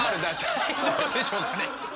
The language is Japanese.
大丈夫でしょうかね？